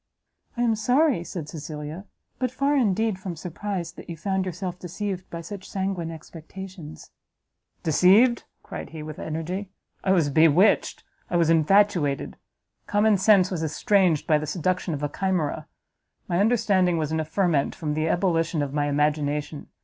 "I am sorry," said Cecilia, "but far indeed from surprised, that you found yourself deceived by such sanguine expectations." "Deceived!" cried he, with energy, "I was bewitched, I was infatuated! common sense was estranged by the seduction of a chimera; my understanding was in a ferment from the ebullition of my imagination!